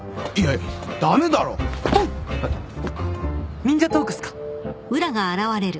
忍者トークっすか？